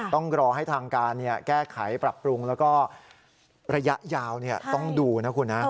ต้องรอให้ทางการแก้ไขปรับปรุงแล้วก็ระยะยาวต้องดูนะคุณนะ